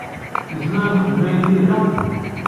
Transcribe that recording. Nezmer ad nexdem ayenni da?